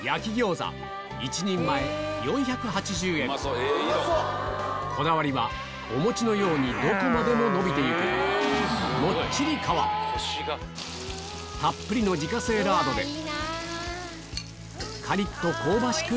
それがこだわりはお餅のようにどこまでものびていくたっぷりの自家製ラードでカリっと香ばしく